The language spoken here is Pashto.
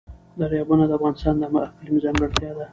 دریابونه د افغانستان د اقلیم ځانګړتیا ده.